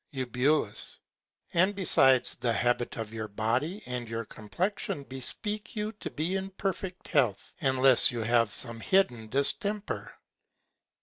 Eu. And besides the Habit of your Body and your Complexion bespeak you to be in perfect Health, unless you have some hidden Distemper.